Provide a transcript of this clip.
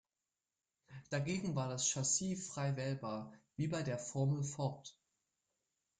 Dagegen war das Chassis frei wählbar, wie bei der Formel Ford.